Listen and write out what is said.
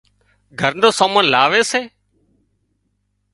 گھر نُون سامان لاوي سي